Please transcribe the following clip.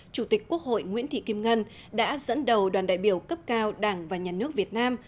chủ tịch quốc hội nguyễn thị kim ngân đã dẫn đầu đoàn đại biểu cấp cao đảng và nhà nước việt nam